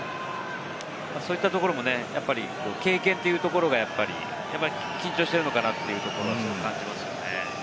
そういったところも経験というところが、緊張してるのかなというところも感じますよね。